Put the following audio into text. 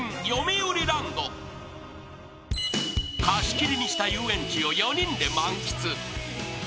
貸し切りにした遊園地を４人で満喫。